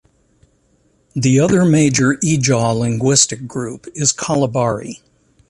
The other major Ijaw linguistic group is Kalabari.